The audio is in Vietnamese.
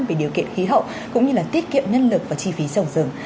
về điều kiện khí hậu cũng như là tiết kiệm nhân lực và chi phí sổng dường